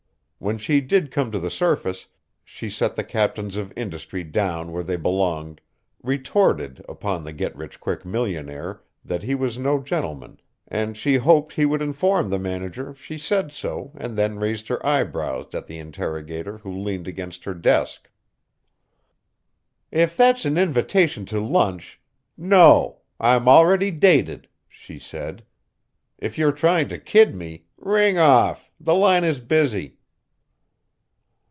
When she did come to the surface, she set the captains of industry down where they belonged, retorted upon the get rich quick millionaire that he was no gentleman and she hoped he would inform the manager she said so and then raised her eyebrows at the interrogator who leaned against her desk. "If that's an invitation to lunch, No! I'm already dated," she said. "If you're trying to kid me, ring off, the line is busy."